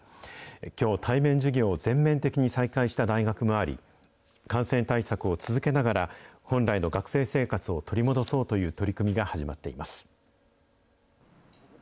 きょう、対面授業を全面的に再開した大学もあり、感染対策を続けながら、本来の学生生活を取り戻そうという取り組みが始まっています。